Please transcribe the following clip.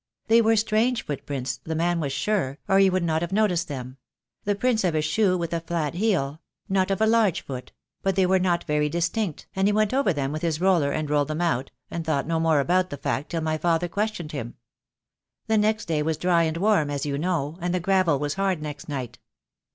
They were strange footprints the man was sure, or he would not have noticed them — the prints of a shoe with a flat heel — not of a large foot — but they were not very distinct, and he went over them with his roller, and rolled them out, and thought no more about the fact till my father questioned him. The next day was dry and warm, as you know, and the gravel was hard next night.